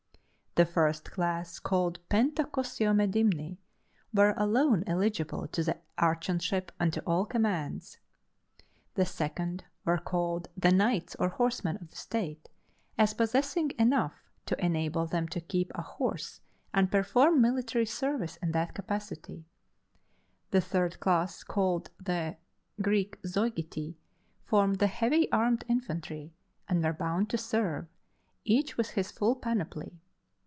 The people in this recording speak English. The first class, called Pentacosiomedimni, were alone eligible to the archonship and to all commands: the second were called the knights or horsemen of the state, as possessing enough to enable them to keep a horse and perform military service in that capacity: the third class, called the [Greek: Zeugitæ], formed the heavy armed infantry, and were bound to serve, each with his full panoply.